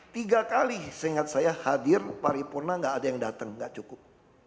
tiga kali seingat saya hadir paripurna gak ada yang datang nggak cukup